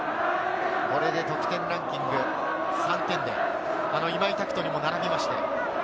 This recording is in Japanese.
これで得点ランキング３点で、今井拓人にも並びました。